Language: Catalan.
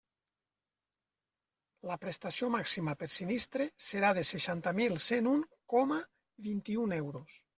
La prestació màxima per sinistre serà de seixanta mil cent un coma vint-i-un euros.